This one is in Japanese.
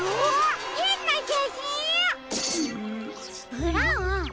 ブラウン！